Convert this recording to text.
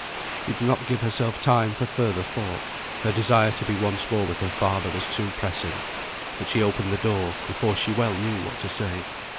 She did not give herself time for further thought, her desire to be once more with her father was too pressing; but she opened the door, before she well knew what to say.